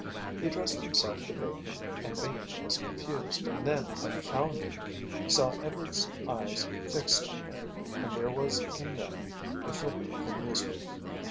He addressed himself to Bateman and Bateman was confused and then confounded. He saw Edward's eyes fixed on him and there was in them a flicker of amusement.